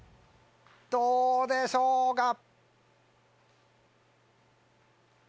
どうでしょうか？